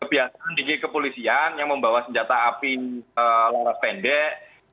kebiasaan di kepolisian yang membawa senjata api laras pendek